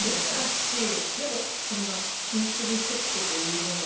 でもこんな金継ぎセットというものが。